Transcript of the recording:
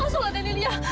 langsung lah danilia